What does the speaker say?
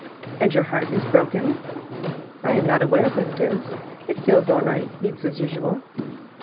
"And your heart is broken?" "I am not aware that it is; it feels all right beats as usual."